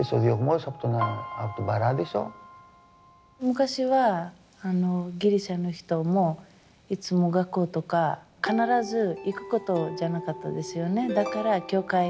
昔はギリシャの人もいつも学校とか必ず行くことじゃなかったですよね。